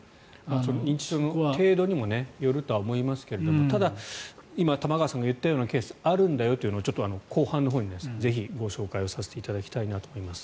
認知症の程度にもよるとは思いますけどもただ、今玉川さんが言ったようなケースがあるんだよというのをちょっと後半のほうにぜひご紹介させていただきたいと思います。